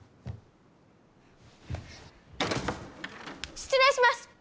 失礼します！